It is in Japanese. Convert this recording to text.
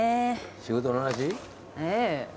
仕事の話？